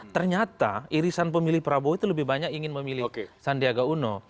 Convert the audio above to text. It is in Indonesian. ternyata irisan pemilih prabowo itu lebih banyak ingin memilih sandiaga uno